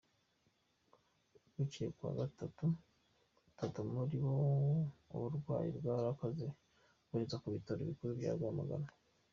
Bukeye kuwa gatatu batatu muri bo uburwayi bwarakaze boherezwa ku bitaro bikuru bya Rwamagana.